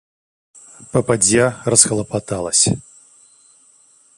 Попадья расхлопоталась.